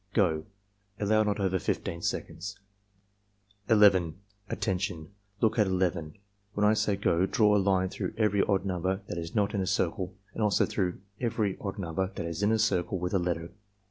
— Go!" (Allow not over 15 seconds.) 11. "Attention! Look at 11. When I say 'go' draw a line through every odd number that is not in a circle and also through every odd number that is in a circle with a letter.